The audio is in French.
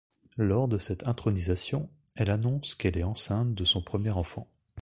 Lors de cette intronisation, elle annonce qu'elle est enceinte de son premier enfant.